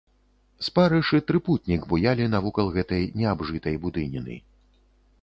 Спарыш і трыпутнік буялі навокал гэтай неабжытай будыніны.